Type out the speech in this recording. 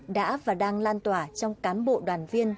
đã và đang lan tỏa trong cán bộ đoàn viên